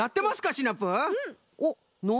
シナプー。